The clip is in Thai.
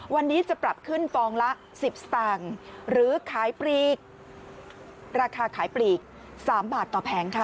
วันนี้จะปรับขึ้นฟองละ๑๐สังหรือราคาขายปลีก๓บาทต่อแพงค่ะ